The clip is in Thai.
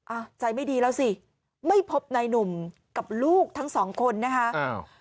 อ่ะใจไม่ดีแล้วสิไม่พบนายหนุ่มกับลูกทั้งสองคนนะคะอ้าว